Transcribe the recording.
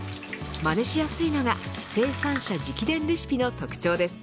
まねしやすいのが生産者直伝レシピの特徴です。